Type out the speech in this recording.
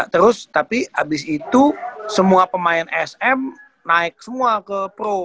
terus tapi abis itu semua pemain sm naik semua ke pro